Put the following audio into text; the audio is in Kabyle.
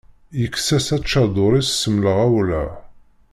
Yekkes-as aččadur-is s lemɣawla.